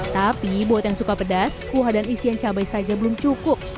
tapi buat yang suka pedas kuah dan isian cabai saja belum cukup